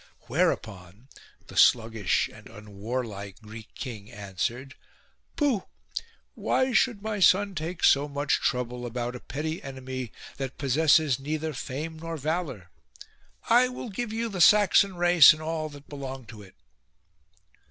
Whereupon the sluggish and unwarlike Greek king answered :" Pooh ! why should my son take so much trouble about a petty enemy that possesses neither fame nor valour ? I will give you the Saxon race and all that belong to it."